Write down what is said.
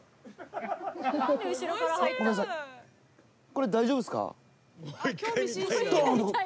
これ大丈夫っすか？